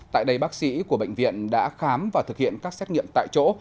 tại đây bác sĩ của bệnh viện đã khám và thực hiện các xét nghiệm tại chỗ